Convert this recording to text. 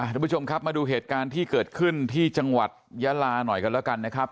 ทุกผู้ชมครับมาดูเหตุการณ์ที่เกิดขึ้นที่จังหวัดยาลาหน่อยกันแล้วกันนะครับ